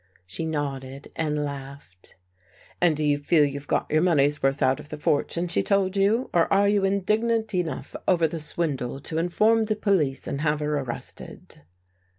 She nodded and laughed. " And do you feel you've got your money's worth out of the fortune she told you, or are you indig nant enough over the swindle to inform the police and have her arrested?